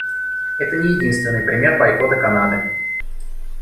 Это не единственный пример бойкота Канады.